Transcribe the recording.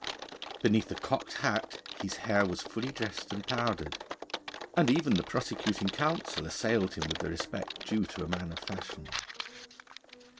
Beneath a cocked hat his hair was fully dressed and powdered, and even the prosecuting counsel assailed him with the respect due to a man of fashion.